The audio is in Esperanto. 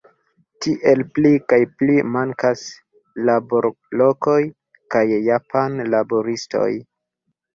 Tiele pli kaj pli mankas laborlokoj al japanaj laboristoj.